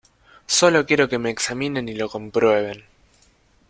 solo quiero que me examinen y lo comprueben.